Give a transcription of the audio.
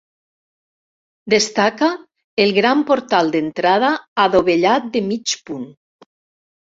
Destaca el gran portal d'entrada adovellat de mig punt.